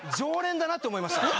だなって思いました。